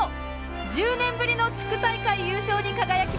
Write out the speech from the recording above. １０年ぶりの地区大会優勝に輝きました。